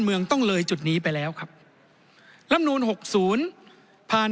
เมืองต้องเลยจุดนี้ไปแล้วครับลำนูนหกศูนย์ผ่าน